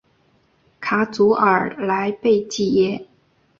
卡祖尔莱贝济耶。